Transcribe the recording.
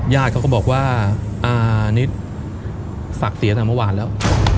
ญาติเขาก็บอกว่านิดศักดิ์เสียตั้งแต่เมื่อวานแล้ว